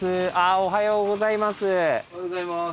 あおはようございます。